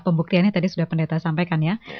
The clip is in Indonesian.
pembuktiannya tadi sudah pendeta sampaikan ya